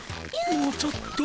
もうちょっと。